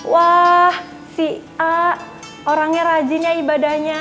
wah si a orangnya rajin ya ibadahnya